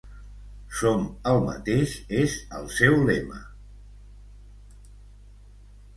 Som el mateix és el seu lema.